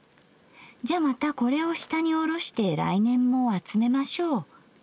『じゃまたこれを下におろして来年も集めましょう』